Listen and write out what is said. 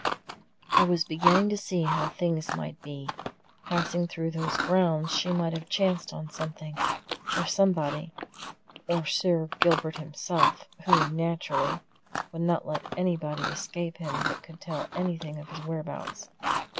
I was beginning to see how things might be passing through those grounds she might have chanced on something, or somebody, or Sir Gilbert himself, who, naturally, would not let anybody escape him that could tell anything of his whereabouts.